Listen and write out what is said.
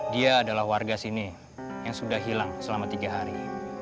dia adalah warga sini yang sudah hilang selama tiga hari